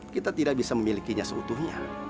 kita tidak bisa memilikinya seutuhnya